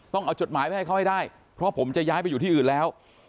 ต้องเอาจดหมายไปให้เขาให้ได้เพราะผมจะย้ายไปอยู่ที่อื่นแล้ว